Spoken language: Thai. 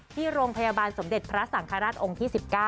ที่โรงพยาบาลสมเด็จพระสังฆราชองค์ที่๑๙